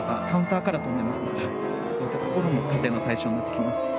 カウンターから跳んでいますのでこういったところも加点の対象になっていきます。